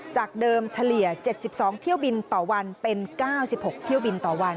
จากเดิมเฉลี่ย๗๒เที่ยวบินต่อวันเป็น๙๖เที่ยวบินต่อวัน